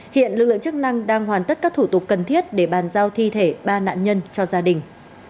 hiện lực lượng chức năng đang hoàn tất các thủ tục cần thiết để bàn giao thi thể ba nạn nhân cho gia đình